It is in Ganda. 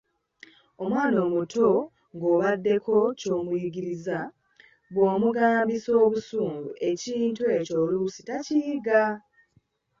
Omwana omuto ng’obaddeko ky’omuyigiriza, bw’omugambisa obusungu ekintu ekyo oluusi takiyiga.